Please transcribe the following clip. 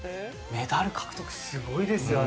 メダル獲得すごいですよね。